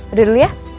udah dulu ya